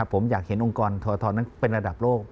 ผมอยากเห็นองค์กรทรนั้นเป็นระดับโลก